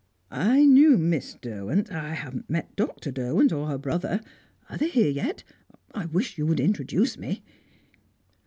"I knew Miss Derwent. I haven't met Dr. Derwent or her brother. Are they here yet? I wish you would introduce me."